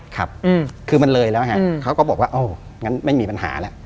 ครับคือมันเลยแล้วฮะเขาก็บอกว่าโอ้งั้นไม่มีปัญหาแล้ว